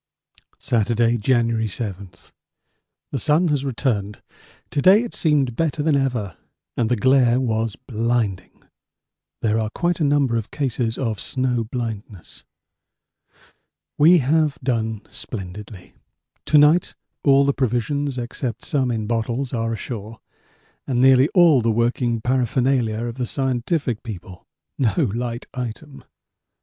Saturday, January 7. The sun has returned. To day it seemed better than ever and the glare was blinding. There are quite a number of cases of snow blindness. We have done splendidly. To night all the provisions except some in bottles are ashore and nearly all the working paraphernalia of the scientific people no light item.